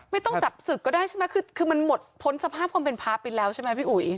ไม่ต้องจับศึกก็ได้ใช่ไหมคือมันหมดพ้นสภาพความเป็นพระไปแล้วใช่ไหมพี่อุ๋ย